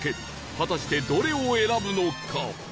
果たしてどれを選ぶのか？